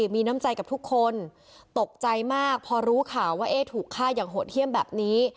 มีน้ำใจกับทุกคนตกใจมากพอรู้ข่าวว่าถูกฆ่าอย่างโหดเยี่ยมแบบนี้